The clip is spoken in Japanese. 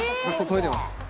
「研いでます」